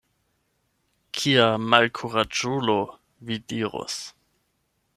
Kia malkuraĝulo, vi dirus.